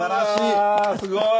うわーすごい。